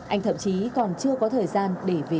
anh thậm chí còn chưa có thời gian để về